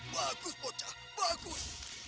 bagus bocah bagus